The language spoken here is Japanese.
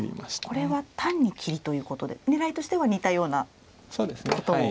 これは単に切りということで狙いとしては似たようなことを。